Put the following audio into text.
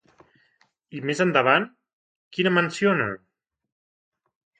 I més endavant, quina menciona?